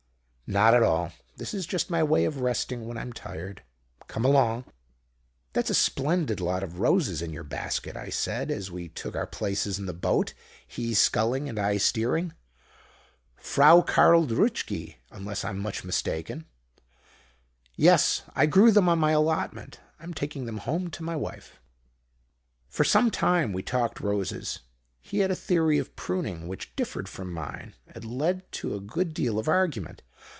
"'Not at all. This is just my way of resting when I'm tired. Come along.' "'That's a splendid lot of roses in your basket,' I said, as we took our places in the boat, he sculling and I steering. 'Frau Carl Druschki, unless I'm much mistaken.' "'Yes. I grew them on my allotment. I'm taking them home to my wife.' "For some time we talked roses. He had a theory of pruning, which differed from mine, and led to a good deal of argument.